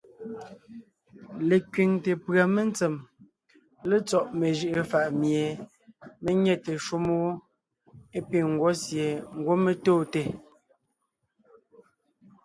Lekẅiŋte pʉ̀a mentsém létsɔ́ mejʉ’ʉ fà’ mie mé nyɛte shúm wó é piŋ ńgwɔ́ sie ńgwɔ́ mé tóonte.